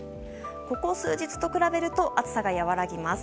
ここ数日と比べると暑さが和らぎます。